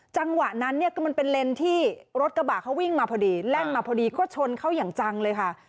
จังหวะนั้นเนี่ยคือมันเป็นเลนที่รถกระบะเขาวิ่งมาพอดีแล่นมาพอดีก็ชนเข้าอย่างจังเลยค่ะ